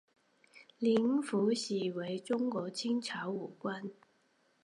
林福喜为中国清朝武官。